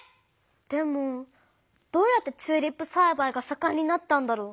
でもどうやってチューリップさいばいがさかんになったんだろう？